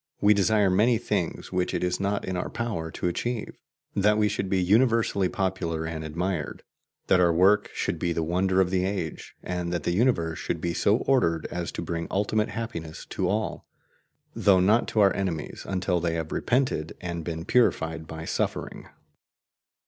We desire many things which it is not in our power to achieve: that we should be universally popular and admired, that our work should be the wonder of the age, and that the universe should be so ordered as to bring ultimate happiness to all, though not to our enemies until they have repented and been purified by suffering.